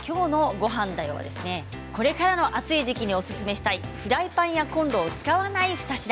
ゴハンだよ」はこれからの暑い時期におすすめしたいフライパンやコンロを使わない２品。